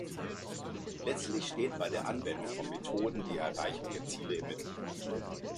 Letztlich steht bei der Anwendung von Methoden die Erreichung der Ziele im Mittelpunkt.